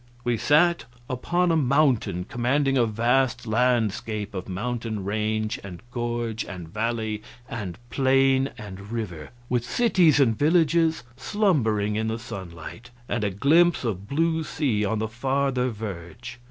We sat upon a mountain commanding a vast landscape of mountain range and gorge and valley and plain and river, with cities and villages slumbering in the sunlight, and a glimpse of blue sea on the farther verge.